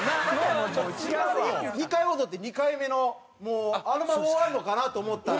２回踊って２回目のもうあのまま終わるのかなと思ったら。